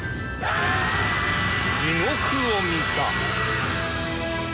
地獄を見た。